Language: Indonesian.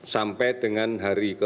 sampai dengan hari ke empat belas